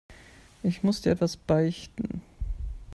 Ich muss dir etwas beichten.